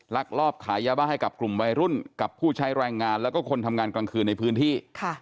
ลักลอบขายยาบ้าให้กับกลุ่มวัยรุ่นกับผู้ใช้แรงงานแล้วก็คนทำงานกลางคืนในพื้นที่